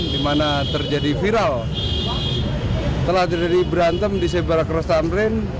di mana terjadi viral telah terjadi berantem di sebara cross tamrin